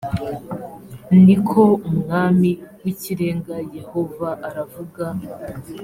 ni ko umwami w’ikirenga yehova aravuga